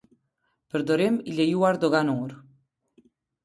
Përdorim i lejuar doganor.